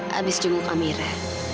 habis jemput amira